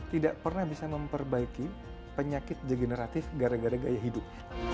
tidak pernah bisa memperbaiki penyakit degeneratif gara gara gaya hidup